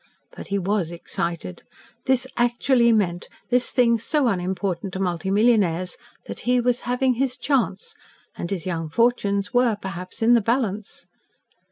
But he was excited. This actually meant this thing so unimportant to multi millionaires that he was having his "chance," and his young fortunes were, perhaps, in the balance.